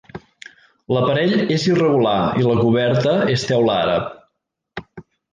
L'aparell és irregular i la coberta és teula àrab.